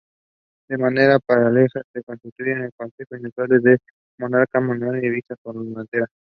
De manera paralela, se constituyeron los consejos insulares de Mallorca, Menorca e Ibiza-Formentera.